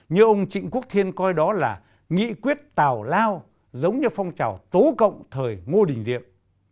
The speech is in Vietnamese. như ông trịnh quốc thiên coi đó là nghị quyết tào lao giống như phong trào tố cộng thời ngô đình diệm